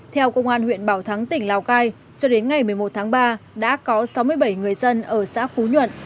theo công an huyện bảo thắng tỉnh lào cai cho đến ngày một mươi một tháng ba đã có sáu mươi bảy người dân ở xã phú nhuận